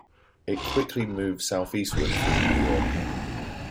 It quickly moved southeastward through New York.